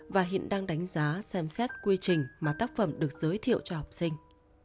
và hiện đang đánh giá xem xét quy trình mà tác phẩm được giới thiệu cho học sinh